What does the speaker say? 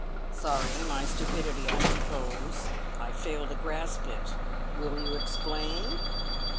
"Sorry. My stupidity, I suppose. I fail to grasp it. Will you explain?"